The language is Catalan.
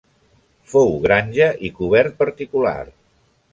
Fou granja i cobert particular.